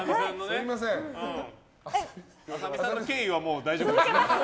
麻美さんの経緯はもう大丈夫です。